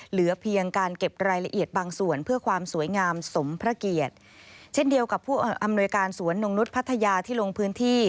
เหลือเพียงการเก็บรายละเอียดบางส่วนเพื่อความสวยงามสมพระเกียรติเช่นเดียวกับผู้อำนวยการสวนนงนุษย์พัทยาที่ลงพื้นที่